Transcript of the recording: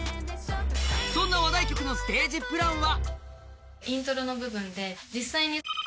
そんな話題曲のステージプランは？